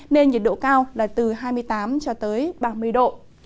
nên nhiệt độ cao là từ hai mươi tám ba mươi độ